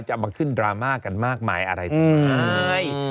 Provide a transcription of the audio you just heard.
จะมาขึ้นดราม่ากันมากมายอะไรถูกไหม